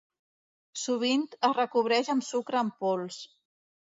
Sovint es recobreix amb sucre en pols.